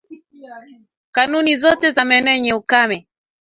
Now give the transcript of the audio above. Kaunti zote za maeneo yenye ukame